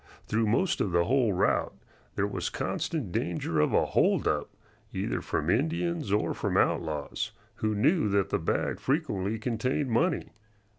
Through most of the whole route there was constant danger of a "hold up" either from Indians or from outlaws, who knew that the bag frequently contained money.